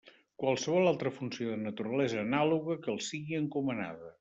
Qualsevol altra funció de naturalesa anàloga que els sigui encomanada.